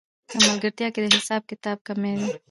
په ملګرتیا کې د حساب کتاب کمی دی